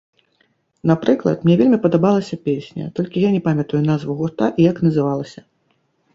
Напрыклад, мне вельмі падабалася песня, толькі я не памятаю назву гурта і як называлася.